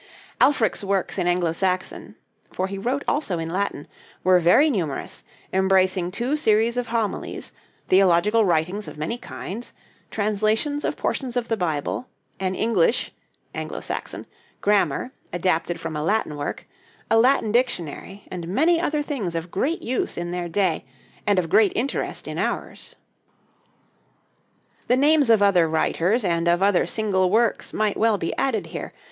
Alfric's works in Anglo Saxon for he wrote also in Latin were very numerous, embracing two series of homilies, theological writings of many kinds, translations of portions of the Bible, an English (Anglo Saxon) grammar, adapted from a Latin work, a Latin dictionary, and many other things of great use in their day and of great interest in ours. The names of other writers and of other single works might well be added here.